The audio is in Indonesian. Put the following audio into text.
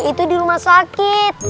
itu di rumah sakit